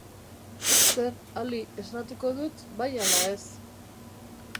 Zer, Ali, esnatuko dut, bai ala ez?